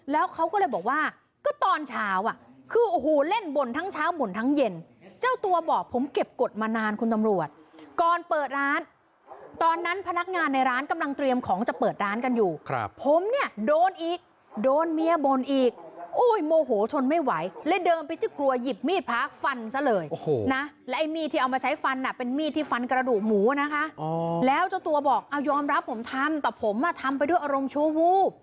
แล้วเจ้าตัวบอกยอมรับผมทำแต่ผมทำไปด้วยอารมณ์ชูวู